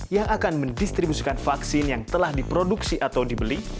yang akan mendistribusikan vaksin yang telah diproduksi atau dibeli